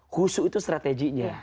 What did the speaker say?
husu itu strateginya